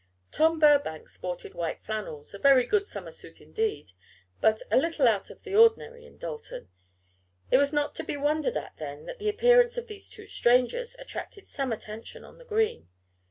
Tom Burbank sported white flannels, a very good summer suit indeed, but a little out of the ordinary in Dalton. It was not to be wondered at, then, that the appearance of these two strangers attracted some attention on the Green.